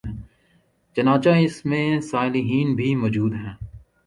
چنانچہ ان میں صالحین بھی موجود ہیں